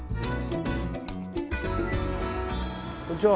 こんにちは。